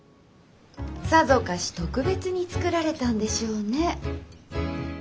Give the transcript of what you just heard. さぞかし特別に作られたんでしょうね。